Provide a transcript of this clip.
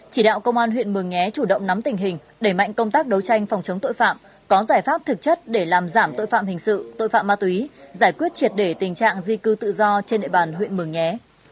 chỉ đạo công an huyện mường nhé chủ động nắm tình hình đẩy mạnh công tác đấu tranh phòng chống tội phạm có giải pháp thực chất để làm giảm tội phạm hình sự tội phạm ma túy giải quyết triệt để tình trạng di cư tự do trên địa bàn huyện mường nhé